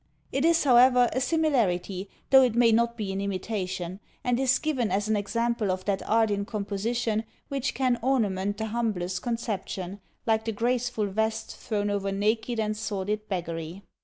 It is, however, a similarity, though it may not be an imitation; and is given as an example of that art in composition which can ornament the humblest conception, like the graceful vest thrown over naked and sordid beggary.